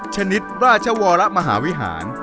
ชนิดราชวรมหาวิหาร